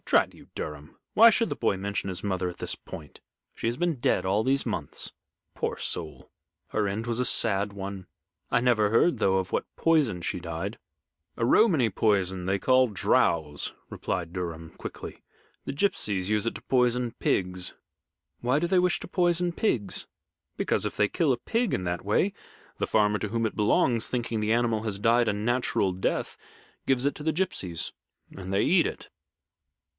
"Drat you, Durham! why should the boy mention his mother at this point? She has been dead all these months. Poor soul! her end was a sad one. I never heard, though, of what poison she died." "A Romany poison they call drows," explained Durham, quickly. "The gipsies use it to poison pigs." "Why do they wish to poison pigs?" "Because, if they kill a pig in that way, the farmer to whom it belongs, thinking the animal has died a natural death, gives it to the gipsies and they eat it."